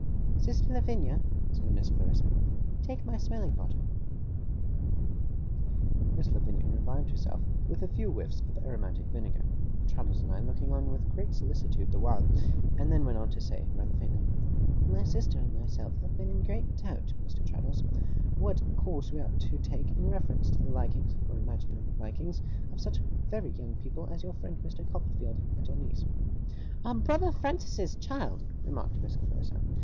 'Sister Lavinia,' said Miss Clarissa, 'take my smelling bottle.' Miss Lavinia revived herself with a few whiffs of aromatic vinegar Traddles and I looking on with great solicitude the while; and then went on to say, rather faintly: 'My sister and myself have been in great doubt, Mr. Traddles, what course we ought to take in reference to the likings, or imaginary likings, of such very young people as your friend Mr. Copperfield and our niece.' 'Our brother Francis's child,' remarked Miss Clarissa.